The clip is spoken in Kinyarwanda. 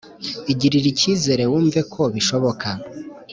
igirire icyizere wumve ko bishoboka.